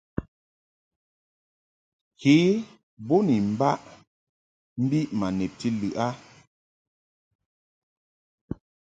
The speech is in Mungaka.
Ke bo ni mbaʼ mbiʼ ma nebti lɨʼ a.